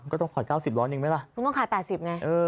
ก็ต้องขอ๙๐ล้อนหนึ่งไหมละต้องขาย๘๐ไงเออ